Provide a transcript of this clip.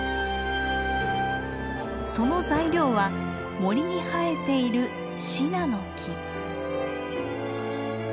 その材料は森に生えているシナノキ。